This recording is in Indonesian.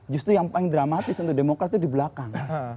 justru yang paling dramatis untuk demokrat itu di belakang